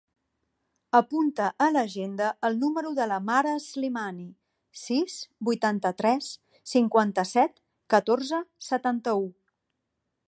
Apunta a l'agenda el número de la Mara Slimani: sis, vuitanta-tres, cinquanta-set, catorze, setanta-u.